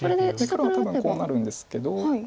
黒は多分こうなるんですけど。